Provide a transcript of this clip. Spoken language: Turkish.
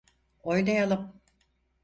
Oynayalım.